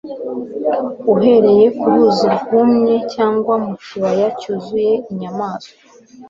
Uhereye ku ruzi rwumye cyangwa mu kibaya cyuzuye inyamaswa